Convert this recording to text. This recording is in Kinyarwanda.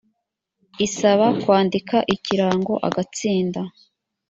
isaba kwandika ikirango agatsinda